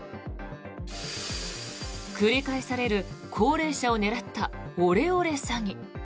繰り返される高齢者を狙ったオレオレ詐欺。